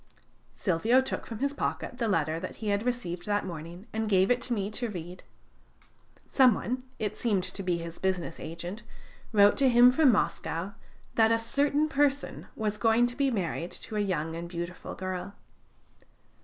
Silvio took from his pocket the letter that he had received that morning, and gave it to me to read. Some one (it seemed to be his business agent) wrote to him from Moscow, that a CERTAIN PERSON was going to be married to a young and beautiful girl.